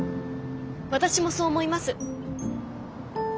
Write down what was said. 私もそう思います。